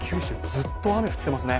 ずっと降っていますね。